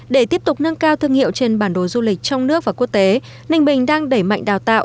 để tiếp tục nâng cao thương hiệu trên bản đồ du lịch trong nước và quốc tế ninh bình đang đẩy mạnh đào tạo